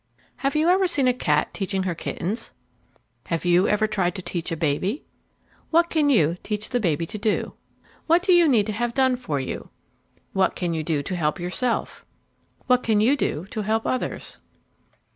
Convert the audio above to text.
Have you ever seen a cat teaching her kittens? Have you ever tried to teach a baby? What can you teach the baby to do? What do you need to have done for you? What can you do to help yourself? What can you do to help others?